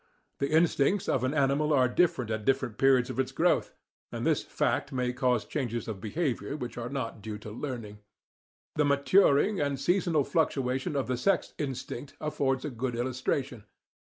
* The instincts of an animal are different at different periods of its growth, and this fact may cause changes of behaviour which are not due to learning. The maturing and seasonal fluctuation of the sex instinct affords a good illustration.